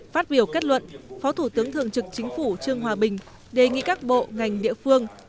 phát biểu kết luận phó thủ tướng thường trực chính phủ trương hòa bình đề nghị các bộ ngành địa phương